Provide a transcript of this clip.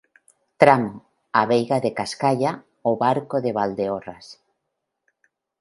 Tramo: A Veiga de Cascallá-O Barco de Valdeorras".